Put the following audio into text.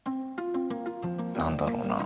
何だろうな。